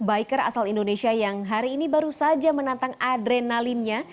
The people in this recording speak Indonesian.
biker asal indonesia yang hari ini baru saja menantang adrenalinnya